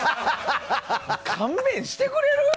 勘弁してくれる？